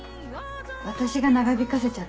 私が長引かせちゃって。